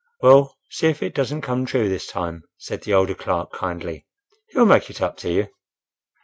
"Well, see if it doesn't come true this time," said the older clerk, kindly. "He'll make it up to you."